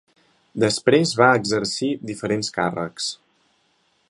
Després va exercir diferents càrrecs.